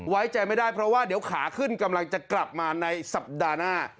ไว้ใจไม่ได้เพราะว่าเดี๋ยวขาขึ้นกำลังจะกลับมาในสัปดาห์หน้า